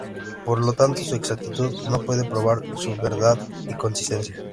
Por lo tanto, su exactitud no puede probar su verdad y consistencia.